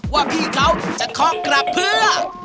ว่าพี่เขาจะเคาะกลับเพื่อ